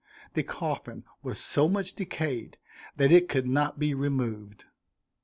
The coffin was so much decayed that it could not be removed.